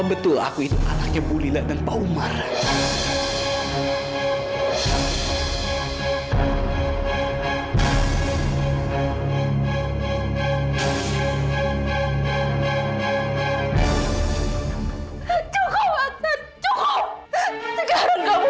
sekarang kamu benar benar menjagetimu